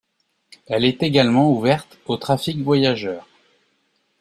Elle est également ouverte au trafic voyageurs.